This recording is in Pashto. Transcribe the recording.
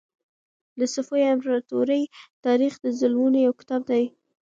د صفوي امپراطورۍ تاریخ د ظلمونو یو کتاب دی.